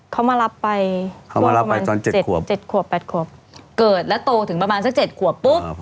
เขามารับไปเขามารับไปตอนเจ็ดขวบเจ็ดขวบแปดขวบเกิดแล้วโตถึงประมาณสักเจ็ดขวบปุ๊บ